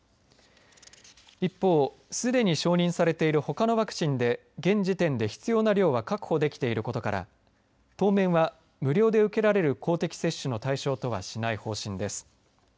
一方、すでに承認されているほかのワクチンで現時点で必要な量は確保できていることから当面は、無料で受けられる公的接種の対象とはしない方針です。